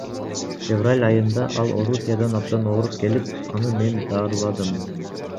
Февраль айында ал Орусиядан абдан ооруп келип, аны мен даарыладым.